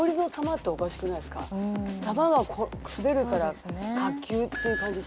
球が滑るから滑球っていう感じしない？